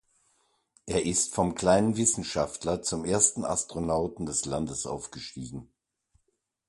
Er ist vom kleinen Wissenschaftler zum ersten Astronauten des Landes aufgestiegen.